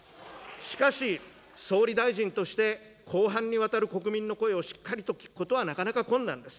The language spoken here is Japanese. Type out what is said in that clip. しかし、総理大臣として広範にわたる国民の声をしっかりと聞くことはなかなか困難です。